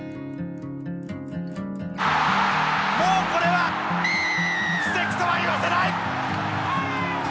もうこれは奇跡とは言わせない！